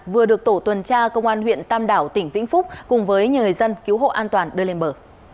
vừa được tổ tuần tra công an huyện tam đảo tỉnh vĩnh phúc cùng với nhiều người dân cứu hộ an toàn đưa lên bờ